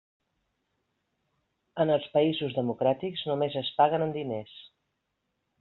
En els països democràtics, només es paguen en diners.